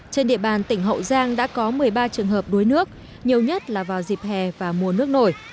trên địa bàn tỉnh hậu giang đã có một mươi ba trường hợp đuối nước nhiều nhất là vào dịp hè và mùa nước nổi